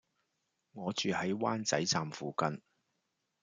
我住喺灣仔站附近